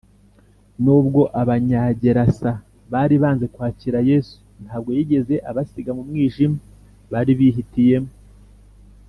nubwo abanyagerasa bari banze kwakira yesu, ntabwo yigeze abasiga mu mwijima bari bihitiyemo